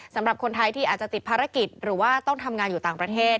สำหรับคนไทยที่อาจจะติดภารกิจหรือว่าต้องทำงานอยู่ต่างประเทศ